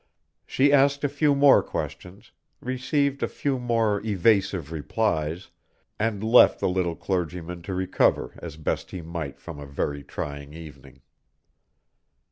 She asked a few more questions, received a few more evasive replies, and left the little clergyman to recover as best he might from a very trying evening.